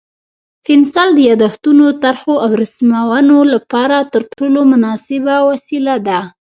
پنسل د یادښتونو، طرحو او رسمونو لپاره تر ټولو مناسبه وسیله ده.